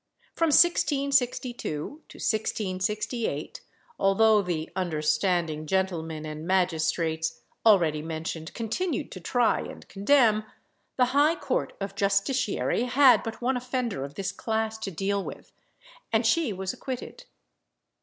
From 1662 to 1668, although "the understanding gentlemen and magistrates" already mentioned, continued to try and condemn, the High Court of Justiciary had but one offender of this class to deal with, and she was acquitted.